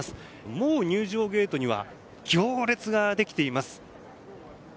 もう入場ゲートには行列ができています。